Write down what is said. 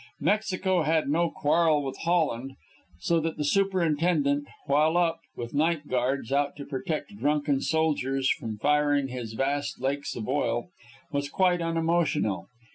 Mexico had no quarrel with Holland, so that the superintendent, while up, with night guards out to prevent drunken soldiers from firing his vast lakes of oil, was quite unemotional.